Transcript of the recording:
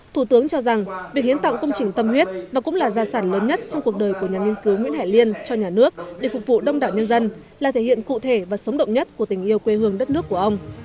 thủ tướng cho rằng việc hiến tặng công trình tâm huyết và cũng là gia sản lớn nhất trong cuộc đời của nhà nghiên cứu nguyễn hải liên cho nhà nước để phục vụ đông đảo nhân dân là thể hiện cụ thể và sống động nhất của tình yêu quê hương đất nước của ông